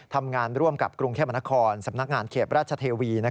ทำงานร่วมกับกรุงเทพมนครสำนักงานเขตราชเทวี